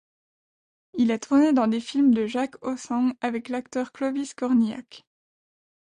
Il a tourné dans des films de Jacques Ossang avec l'acteur Clovis Cornillac.